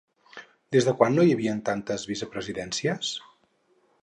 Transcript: Des de quan no hi havia tantes vicepresidències?